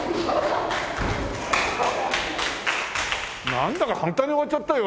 なんだか簡単に終わっちゃったよ。